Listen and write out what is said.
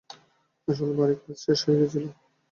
আসল ভারী কাজ শেষ হয়ে গিয়েছিল।